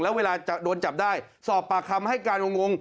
แล้วเวลาจะโดนจับได้สอบปากคำให้การงง